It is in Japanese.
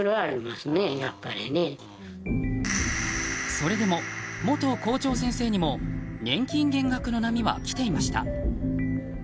それでも、元校長先生にも年金減額の波は来ていました。